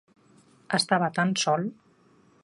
Estava tan sol!